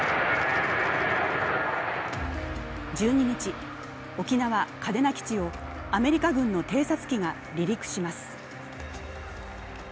１２日、沖縄・嘉手納基地をアメリカ軍の偵察機が離陸します。